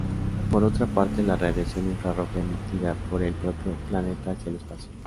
Por otra parte, la radiación infrarroja, emitida por el propio planeta hacia el espacio.